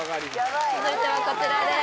続いてはこちらです